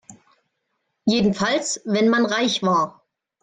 Jedenfalls wenn man reich war.